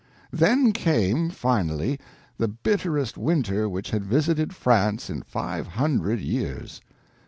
Then came, finally, the bitterest winter which had visited France in five hundred years.